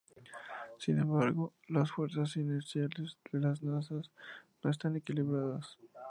Sin embargo, las fuerzas inerciales de las masas no están equilibradas.